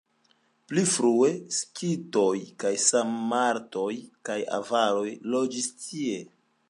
Pli frue skitoj, sarmatoj kaj avaroj loĝis tie.